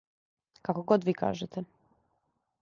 Како год ви кажете.